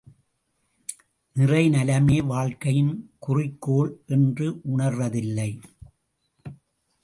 நிறை நலமே வாழ்க்கையின் குறிக்கோள் என்று உணர்வதில்லை.